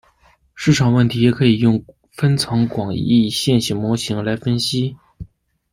市场问题也可以用分层广义线性模型来分析。